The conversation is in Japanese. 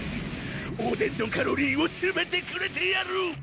おでんのカロリーをすべてくれてやる！